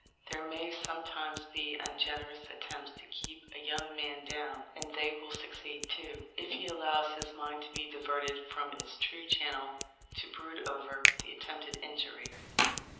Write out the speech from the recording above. There may some times be ungenerous attempts to keep a young man down; and they will succeed, too, if he allows his mind to be diverted from its true channel to brood over the attempted injury.